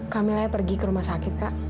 kamilanya pergi ke rumah sakit kak